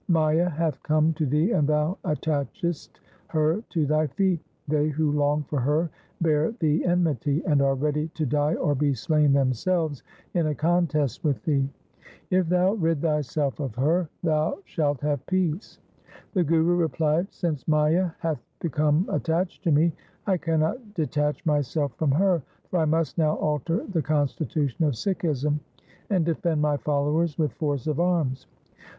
Maya hath come to thee and thou attachest her to thy feet. They who long for her bear thee enmity, and are ready to die or be slain themselves in a contest with thee. If thou rid thyself of her, thou LIFE OF GURU HAR GOBIND 145 shalt have peace.' The Guru replied, ' Since Maya hath become attached to me, I cannot detach myself from her, for I must now alter the constitution of Sikhism and defend my followers with force of arms.'